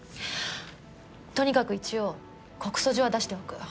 とにかく一応告訴状は出しておく。